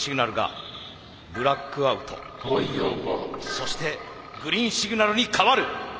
そしてグリーンシグナルに変わる。